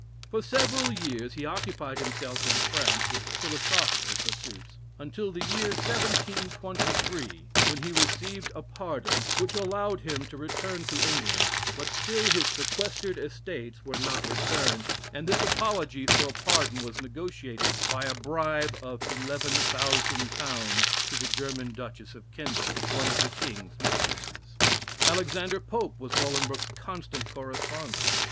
For several years he occupied himself in France with philosophical pursuits until the year 1723 when he received a pardon, which allowed him to return to England, but still his sequestered estates were not returned, and this apology for a pardon was negotiated by a bribe of £11,000 to the German Duchess of Kendal one of the king's mistresses. Alexander Pope was Bolingbroke's constant correspondent.